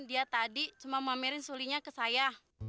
dia tadi cuma memamerin sulinya ke saya